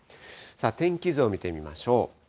天気図を見てみましょう。